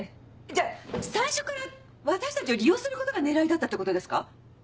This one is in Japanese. じゃあ最初から私たちを利用することが狙いだったってことですか？